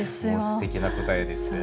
すてきな答えですね